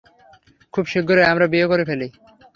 খুব শীঘ্রই আমরা বিয়ে করে ফেলি।